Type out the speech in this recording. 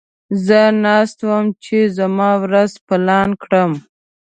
زه ناست وم چې زما ورځ پلان کړم.